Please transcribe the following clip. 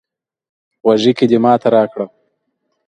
غوږيکې دې ماته راکړه